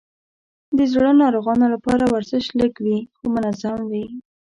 د زړه ناروغانو لپاره ورزش لږ وي، خو منظم وي.